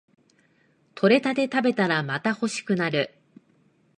採れたて食べたらまた欲しくなる